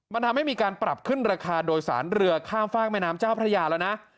มันทำให้มีการปรับขึ้นราคาโดยสารเรือข้ามฝากแม่น้ำเจ้าพระยาแล้วนะ